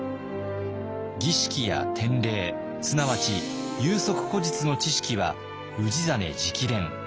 儀式や典礼すなわち有職故実の知識は氏真直伝。